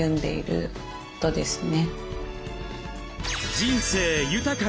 人生豊かに！